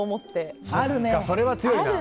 それは強いな。